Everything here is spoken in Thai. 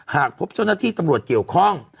หากพบเจ้าหน้าที่ตำรวจเกี่ยวข้อง